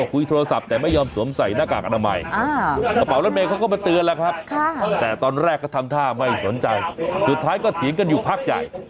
กระเป๋ารถเมฆเขาก็มาเตือนแหละครับแต่ตอนแรกก็ทำท่าไม่สนใจสุดท้ายก็เถียงกันอยู่พักใหญ่